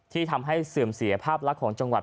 ที่ทำให้เสื่อมเสียภาพลักษณ์ของจังหวัด